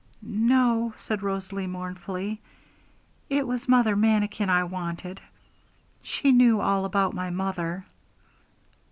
'No,' said Rosalie mournfully. 'It was Mother Manikin I wanted; she knew all about my mother.'